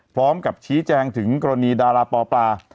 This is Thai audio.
พร้อมกับชี้แจงถึงกรณีดาราปอปลา